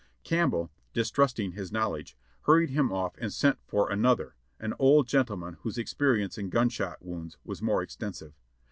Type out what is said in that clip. Campbell, distrusting his knowledge, hurried him off and sent for another, an old gentleman whose experience in gunshot wounds was more extensive.